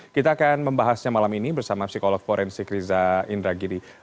kita akan membahasnya malam ini bersama psikolog forensik riza indragidi